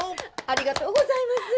ありがとうございます。